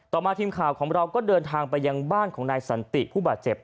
มาทีมข่าวของเราก็เดินทางไปยังบ้านของนายสันติผู้บาดเจ็บ